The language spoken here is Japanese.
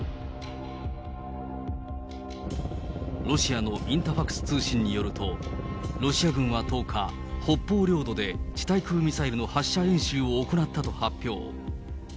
ロシアのインタファクス通信によると、ロシア軍は１０日、北方領土で地対空ミサイルの発射演習を行ったと発表。